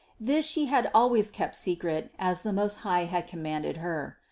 This she had always kept secret, as the Most High had commanded her.